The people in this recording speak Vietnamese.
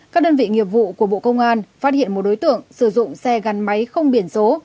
các đơn vị nghiệp vụ của bộ công an phát hiện một đối tượng sử dụng xe gắn máy không biển số